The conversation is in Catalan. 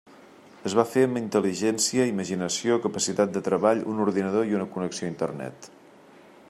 Es va fer amb intel·ligència, imaginació, capacitat de treball, un ordinador i una connexió a Internet.